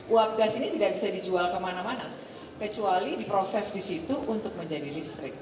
uap gas ini tidak bisa dijual kemana mana kecuali diproses di situ untuk menjadi listrik